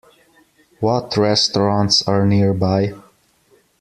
What restaurants are nearby?